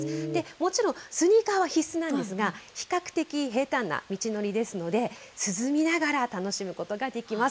もちろん、スニーカーは必須なんですが、比較的平坦な道のりですので、涼みながら楽しむことができます。